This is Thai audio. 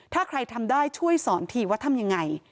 ถ้าใครทำได้ช่วยสอนทีว่าทำยังไง